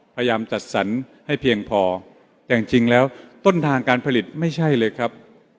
พยายามจัดสรรให้เพียงพอแต่จริงแล้วต้นทางการผลิตไม่ใช่เลยครับ